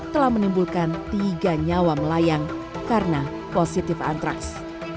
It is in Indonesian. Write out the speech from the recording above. telah menimbulkan tiga nyawa melayang karena positif antraks